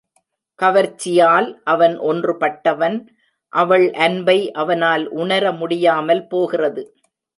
கவர்ச்சியால் அவன் ஒன்றுபட்டவன் அவள் அன்பை அவனால் உணர முடியாமல் போகிறது.